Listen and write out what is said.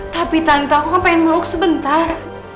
tapi tante aku pengen meluk sebentar